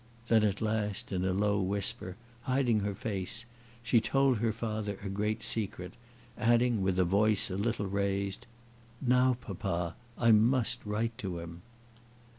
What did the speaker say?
Then at last, in a low whisper, hiding her face, she told her father a great secret, adding with a voice a little raised, "Now, papa, I must write to him."